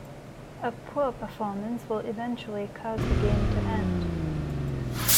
A poor performance will eventually cause the game to end.